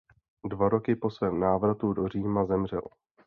Dva roky po svém návratu do Říma zemřel.